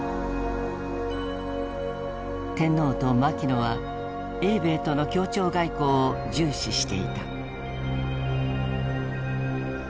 天皇と牧野は英米との協調外交を重視していた。